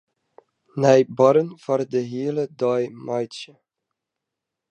Nij barren foar de hiele dei meitsje.